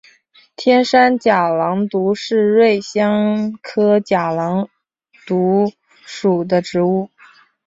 天山假狼毒是瑞香科假狼毒属的植物。